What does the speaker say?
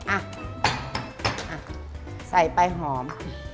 อ่ะใส่ไปหอม